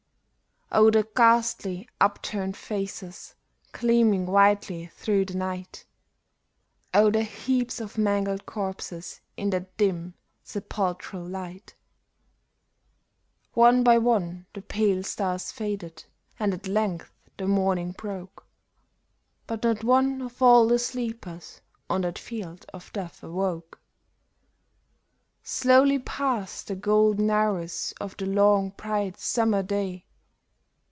Oh, the ghastly, upturned faces, gleaming whitely through the night ! Oh, the heaps of mangled corses in that dim, sepulchral light ! One by one the pale stars faded, and at length the morning broke ; But not one of all the sleepers on that field of death awoke. Slowly passed the golden hours of the long bright summer day.